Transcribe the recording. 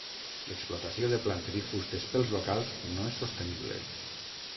L'explotació de plantes i fustes pels locals no és sostenible.